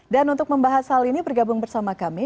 dan untuk membahas hal ini bergabung bersama kami